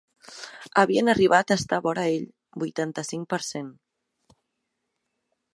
Havien arribat a estar vora ell vuitanta-cinc per cent.